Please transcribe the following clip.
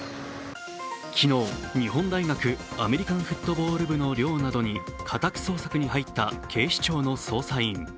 昨日、日本大学アメリカンフットボール部の寮などに家宅捜索に入った警視庁の捜査員。